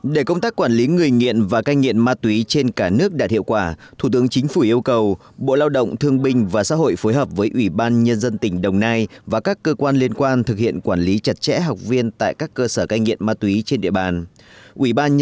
để công tác quản lý người nghiện và cai nghiện ma túy trên cả nước đạt hiệu quả thủ tướng chính phủ yêu cầu bộ lao động thương binh và xã hội phối hợp với ủy ban nhân dân tỉnh đồng nai và các cơ quan liên quan thực hiện quản lý chặt chẽ học viên tại các cơ sở cai nghiện ma túy trên địa bàn